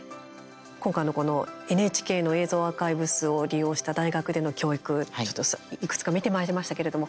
今回のこのＮＨＫの映像アーカイブスを利用した大学での教育、いくつか見てまいりましたけれども